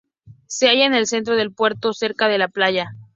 Se halla en el centro del pueblo cerca de la playa.